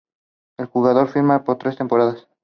El jugador firma por tres temporadas.